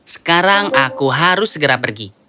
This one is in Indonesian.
sekarang aku harus segera pergi